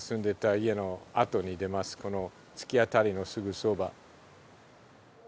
この突き当たりのすぐそば。